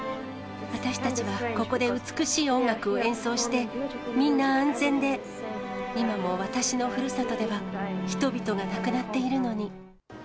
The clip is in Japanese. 私たちはここで美しい音楽を演奏して、みんな安全で、今も私のふるさとでは、人々が亡くなっているのに。